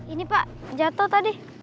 ini pak jatuh tadi